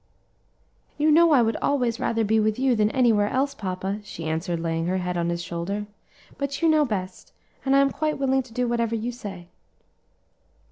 "You know I would always rather be with you than anywhere else, papa," she answered, laying her head on his shoulder; "but you know best, and I am quite willing to do whatever you say."